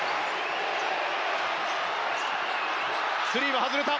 スリーが外れた！